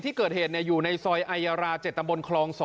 ที่เกิดเหตุเนี่ยอยู่ในซอยไอรา๗ตำบลคลอง๒